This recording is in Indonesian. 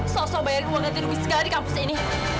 sosok bayar uang dan hidup segala di kampus ini